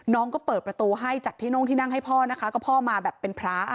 น้องก็เปิดประตูให้จากที่โน่งที่นั่งให้พ่อนะคะก็พ่อมาแบบเป็นพระอ่ะ